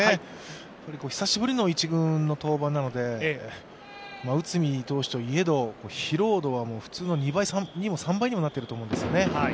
久しぶりの１軍の登板なので内海投手といえど、疲労度は普通の２倍にも３倍にもなっていると思うんですよね。